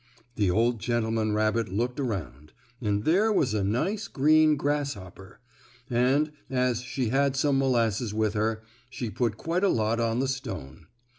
The old gentleman rabbit looked around, and there was a nice, green grasshopper, and, as she had some molasses with her, she put quite a lot on the stone.